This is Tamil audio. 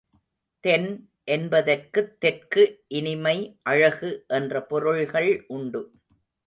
தென் என்பதற்குத் தெற்கு, இனிமை, அழகு என்ற பொருள்கள் உண்டு.